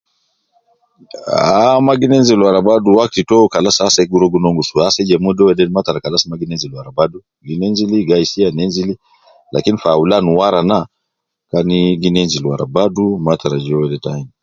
Ahhh, ma gi nenzil wara badu, wakti to kalas ase gi rua gi nongus, ase je modo wode matara kalas ma gi nenzil wara badu, gi nenzili, gai siya, arija nenzili, lakin fi aulan wara na, kani gi nenzil wara badu, matara je wede ta ain